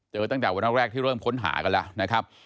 ตั้งแต่วันแรกที่เริ่มค้นหากันแล้วนะครับ